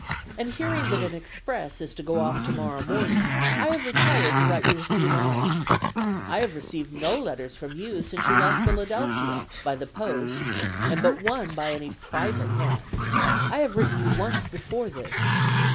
And, hearing that an express is to go off tomorrow morning, I have retired to write you a few lines. I have received no letters from you since you left Philadelphia, by the post, and but one by any private hand. I have written you once before this.